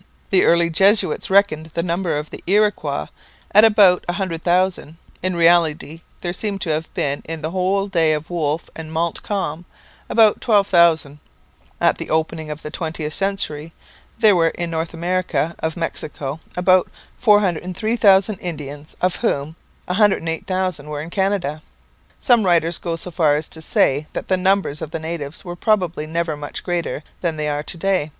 The early Jesuits reckoned the numbers of the Iroquois at about a hundred thousand; in reality there seem to have been, in the days of Wolfe and Montcalm, about twelve thousand. At the opening of the twentieth century there were in America north of Mexico about 403,000 Indians, of whom 108,000 were in Canada. Some writers go so far as to say that the numbers of the natives were probably never much greater than they are to day.